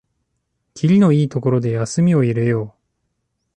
きりのいいところで休みを入れよう